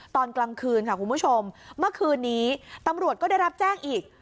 ตอนกลางคืนค่ะคุณผู้ชมเมื่อคืนนี้ตำรวจก็ได้รับแจ้งอีก